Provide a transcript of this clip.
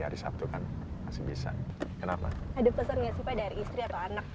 ada pesan gak sih pak dari istri atau anak